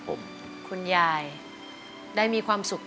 สีหน้าร้องได้หรือว่าร้องผิดครับ